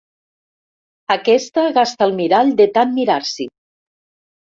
Aquesta gasta el mirall de tant mirar-s'hi.